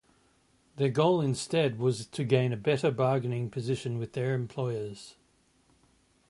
Their goal was instead to gain a better bargaining position with their employers.